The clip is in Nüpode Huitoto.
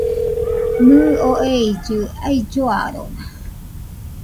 Nɨɨ oo eillɨ ailloarona